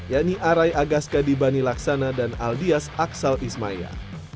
yakni arai agaska dibani laksana dan aldias aksal ismaya